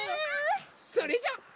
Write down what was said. それじゃあ。